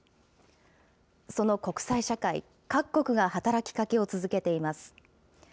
その国際社会、各国が働きかけを続けています。